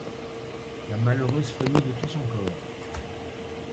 La malheureuse frémit de tout son corps.